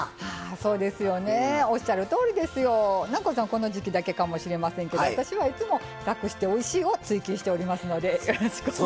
この時期だけかもしれませんけど私はいつも楽しておいしいを追求しておりますのでよろしくお願い。